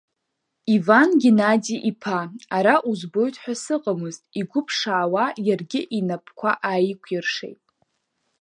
Иван Генади-иԥа, ара узбоит ҳәа сыҟамызт, игәы ԥшаауа иаргьы инапқәа ааикәиршеит.